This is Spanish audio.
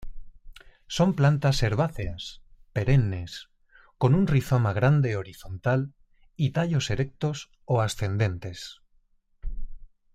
Son plantas herbáceas, perennes, con un rizoma grande horizontal y tallos erectos o ascendentes.